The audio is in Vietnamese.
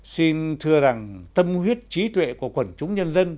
xin thưa rằng tâm huyết trí tuệ của quần chúng nhân dân